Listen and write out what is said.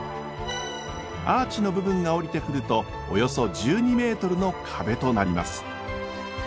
アーチの部分が降りてくるとおよそ１２メートルの壁となります。